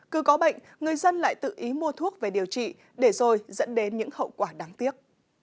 cứ có bệnh người dân lại tự ý mua thuốc về điều trị để rồi dẫn đến những hậu quả đáng tiếc